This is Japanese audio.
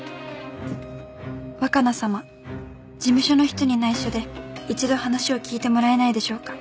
「若菜様事務所の人に内緒で１度話を聞いてもらえないでしょうか？」